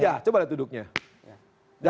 ya coba lihat duduknya